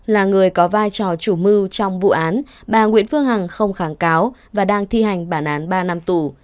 là người có vai trò chủ mưu trong vụ án bà nguyễn phương hằng không kháng cáo và đang thi hành bản án ba năm tù